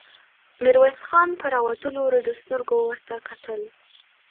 ميرويس خان په راوتلو رډو سترګو ورته کتل.